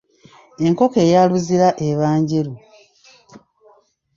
Enkoko eya luzira eba njeru.